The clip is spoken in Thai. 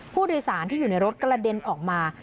ผู้โดยสารที่อยู่ในรถกระเด็นออกมา